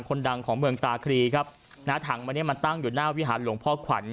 คนดังของเมืองตาครีครับนะฮะถังอันนี้มันตั้งอยู่หน้าวิหารหลวงพ่อขวัญ